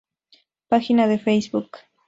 Pagina de Facebook.